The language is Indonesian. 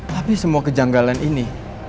tapi semua kejanggalan ini